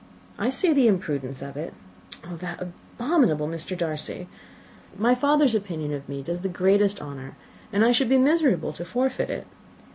I see the imprudence of it. Oh, that abominable Mr. Darcy! My father's opinion of me does me the greatest honour; and I should be miserable to forfeit it.